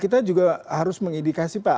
kita juga harus mengindikasi pak